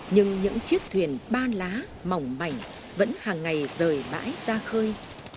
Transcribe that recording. nhưng những chiếc thuyền ba lá mỏng mảnh vẫn hàng ngày rời bãi ra khơi